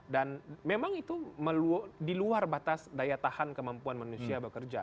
dan memang itu di luar batas daya tahan kemampuan manusia bekerja